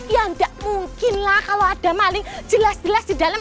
ya nggak mungkin lah kalau ada maling jelas jelas di dalam